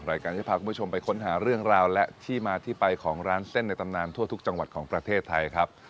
รายการที่พาคุณผู้ชมไปค้นหาเรื่องราวและที่มาที่ไปของร้านเส้นในตำนานทั่วทุกจังหวัดของประเทศไทยครับ